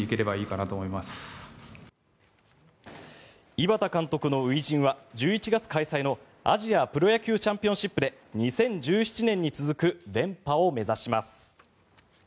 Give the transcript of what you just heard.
井端監督の初陣は１１月開催のアジアプロ野球チャンピオンシップで２０１７年に続く連覇を目指します。